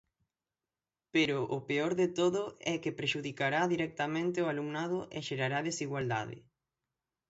Pero o peor de todo é que prexudicará directamente o alumnado e xerará desigualdade.